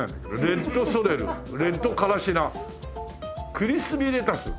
「レッドソレル」「レッドカラシナ」クリスビーレタス？